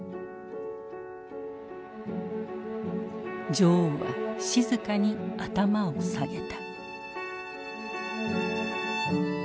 女王は静かに頭を下げた。